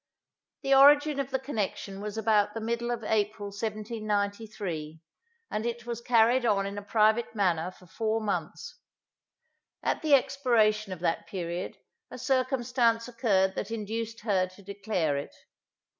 The origin of the connection was about the middle of April 1793, and it was carried on in a private manner for four months. At the expiration of that period a circumstance occurred that induced her to declare it.